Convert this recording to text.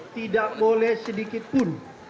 tidak boleh sedikitpun